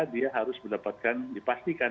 dia harus mendapatkan dipastikan